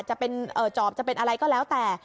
จะเป็นจอบจะเป็นอะไรก็แล้วแต่